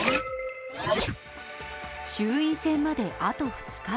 衆院選まで、あと２日。